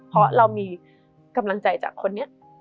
เพราะเรามีกำลังใจจากคนนี้